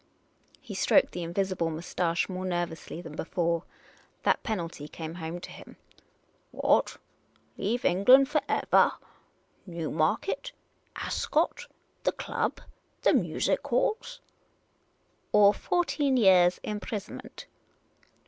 He stroked the invisible moustache more nervously than before. That penalty came home to him. " What, leave England for evah ? Newmarket — Ascot — the club — the music halls !"" Or fourteen years' imprisonment